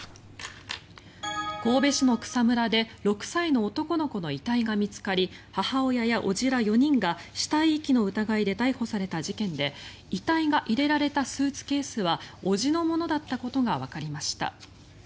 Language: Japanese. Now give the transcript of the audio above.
神戸市の草むらで６歳の男の子の遺体が見つかり母親や叔父ら４人が死体遺棄の疑いで逮捕された事件で遺体が入れられたスーツケースは叔父のものだったことがわかりました。